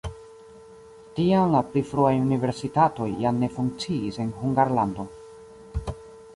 Tiam la pli fruaj universitatoj jam ne funkciis en Hungarlando.